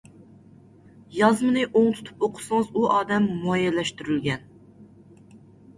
يازمىنى ئوڭ تۇتۇپ ئوقۇسىڭىز ئۇ ئادەم مۇئەييەنلەشتۈرۈلگەن.